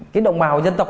cái đồng bào dân tộc